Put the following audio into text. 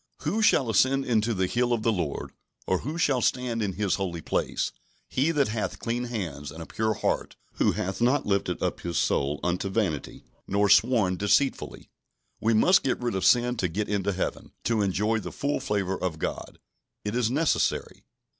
"Who shall ascend into the hill of the Lord? or who shall stand in His holy place? He that hath clean hands, and a pure heart; who hath not lifted up his soul unto vanity, nor sworn deceitfully" We must get rid of sin to get into Heaven, to enjoy the full favour of God. It is necessary.